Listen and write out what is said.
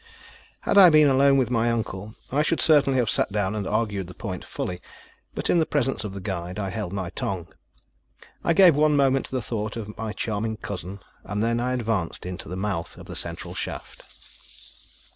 Had I been alone with my uncle, I should certainly have sat down and argued the point fully; but in the presence of the guide I held my tongue. I gave one moment to the thought of my charming cousin, and then I advanced to the mouth of the central shaft.